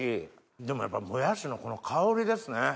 でもやっぱりもやしのこの香りですね。